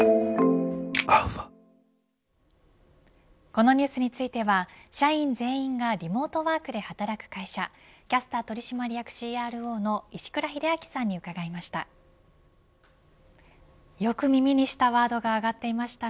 このニュースについては社員全員がリモートワークで働く会社キャスター取締役ＣＲＯの石倉秀明さんに伺いました。